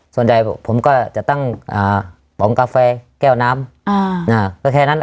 ส่วนใหญ่ผมก็จะตั้งอ่าปำกาแฟแก้วน้ำอ่าน่ะก็แค่นั้น